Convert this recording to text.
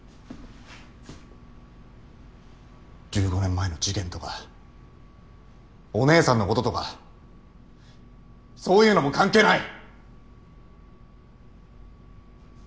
１５年前の事件とかお姉さんのこととかそういうのも関係ない！